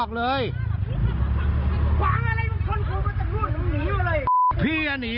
กระทั่งตำรวจก็มาด้วยนะคะ